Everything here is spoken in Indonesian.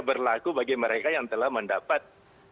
berlaku bagi mereka yang telah mendapat